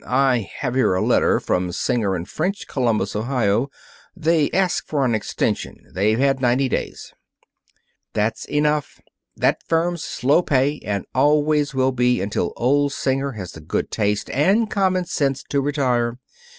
I have here a letter from Singer & French, Columbus, Ohio. They ask for an extension. They've had ninety days." "That's enough. That firm's slow pay, and always will be until old Singer has the good taste and common sense to retire.